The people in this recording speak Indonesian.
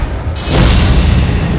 aku mau makan